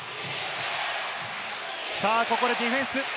ここでディフェンス。